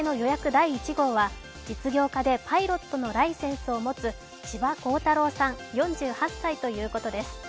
第１号は実業家でパイロットのライセンスを持つ千葉功太郎さん４８歳ということです。